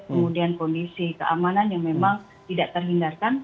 kemudian kondisi keamanan yang memang tidak terhindarkan